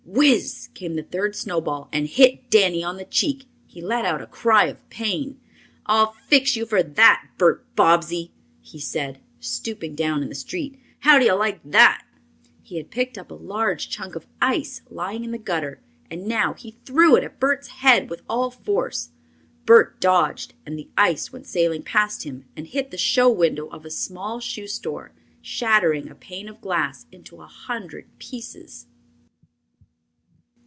Whiz! came the third snowball and hit Danny on the cheek. He let out a cry of pain. "I'll fix you for that, Bert Bobbsey!" he said, stooping down in the street. "How do you like that?" He had picked up a large chunk of ice lying in the gutter, and now he threw it at Bert's head with all force. Bert dodged, and the ice went sailing past him and hit the show window of a small shoe store, shattering a pane of glass into a hundred pieces.